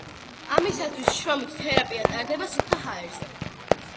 ამისათვის შრომითი თერაპია ტარდება სუფთა ჰაერზე.